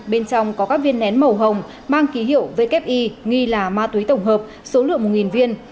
bên trong có các viên nén màu hồng mang ký hiệu wi nghi là ma túy tổng hợp số lượng một viên